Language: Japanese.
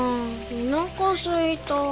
おなかすいた。